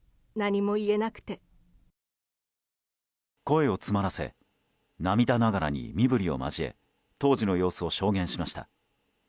声を詰まらせ涙ながらに身振りを交え当時の様子を証言しました。